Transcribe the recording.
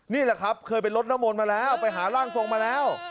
นี่แหละครับเคยไปลดน้ำมนต์มาแล้วไปหาร่างทรงมาแล้ว